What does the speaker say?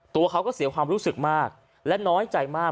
ตัวเขาก็เสียความรู้สึกมากและน้อยใจมาก